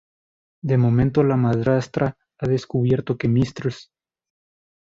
De momento la madrastra ha descubierto que Mrs.